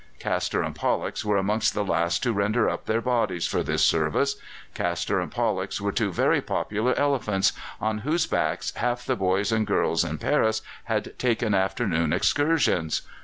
Castor and Pollux were amongst the last to render up their bodies for this service. Castor and Pollux were two very popular elephants, on whose backs half the boys and girls in Paris had taken afternoon excursions.